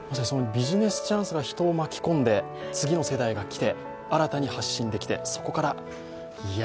ビジネスチャンスが人を巻き込んで、次の世代が来て、新たに発信できて、そこから。